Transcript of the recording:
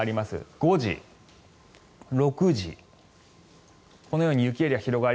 ５時、６時このように雪エリアが広がり